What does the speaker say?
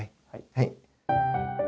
はい。